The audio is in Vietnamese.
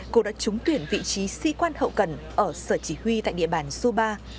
cô đã trúng tuyển vị trí sĩ quan hậu cần ở sở chỉ huy tại địa bàn suba